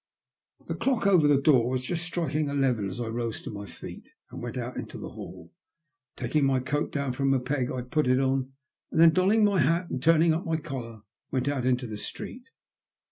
The clock over the door was just striking eleven as I rose to my feet and went out into the hall. Taking my coat down from a peg I put it on, and then, donning my hat and turning up my collar, went out into the street.